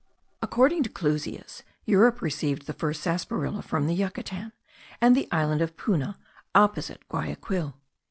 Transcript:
According to Clusius, Europe received the first sarsaparilla from Yucatan, and the island of Puna, opposite Guayaquil.)